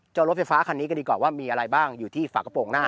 รถไฟฟ้าคันนี้ก็ดีกว่าว่ามีอะไรบ้างอยู่ที่ฝากระโปรงหน้า